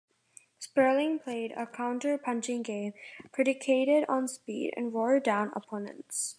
Sperling played a counter-punching game, predicated on speed, and wore down opponents.